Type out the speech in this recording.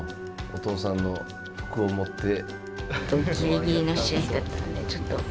お父さんの服を持って。